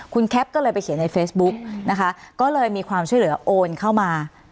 คุณแคปก็เลยไปเขียนในเฟซบุ๊กนะคะก็เลยมีความช่วยเหลือโอนเข้ามา